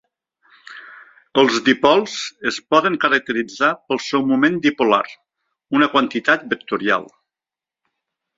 Els dipols es poden caracteritzar pel seu moment dipolar, una quantitat vectorial.